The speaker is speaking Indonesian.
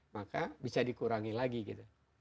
maka bisa dikurangi lagi gitu